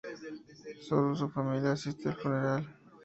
Solo su familia asiste al funeral.